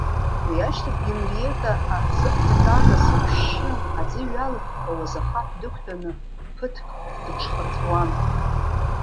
Уи ашьҭахь Генриетта, аҵыҭәа тата зықәшьшьы аӡы иҩалыҳәҳәауаз ахаҳә дықәтәаны ԥыҭрак дыҽхырҵәуан.